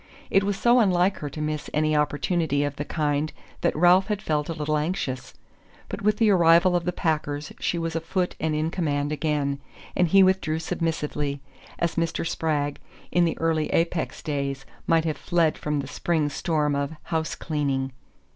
It was so unlike her to miss any opportunity of the kind that Ralph had felt a little anxious. But with the arrival of the packers she was afoot and in command again, and he withdrew submissively, as Mr. Spragg, in the early Apex days, might have fled from the spring storm of "house cleaning."